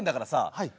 はい。